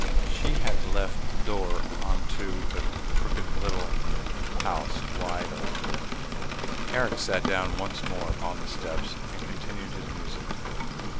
She had left the door into the crooked little house wide open. Eric sat down once more upon the steps and continued his music.